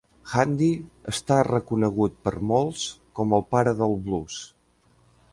Handy està reconegut per molts com el pare del Blues.